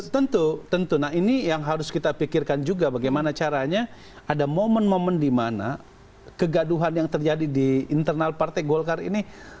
tentu tentu nah ini yang harus kita pikirkan juga bagaimana caranya ada momen momen di mana kegaduhan yang terjadi di internal partai golkar ini